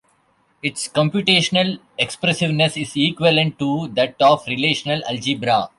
Its computational expressiveness is equivalent to that of Relational algebra.